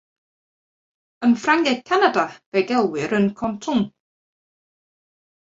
Yn Ffrangeg Canada fe'i gelwir yn “canton”.